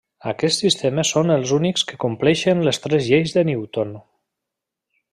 Aquests sistemes són els únics que compleixen les tres lleis de Newton.